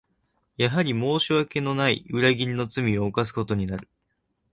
やはり申し訳のない裏切りの罪を犯すことになる